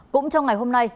cũng trong ngày hôm nay